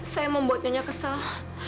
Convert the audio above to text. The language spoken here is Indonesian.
saya membuatnya kesal